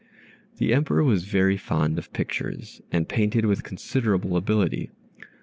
The Emperor was very fond of pictures, and painted with considerable ability.